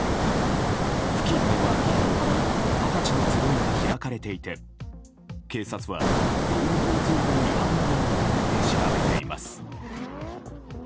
付近では昨日二十歳の集いが開かれていて警察は道路交通法違反などの疑いで調べています。